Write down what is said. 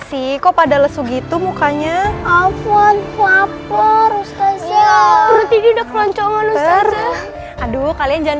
sih kok pada lesu gitu mukanya apa apa berarti tidak lonceng aduh kalian jangan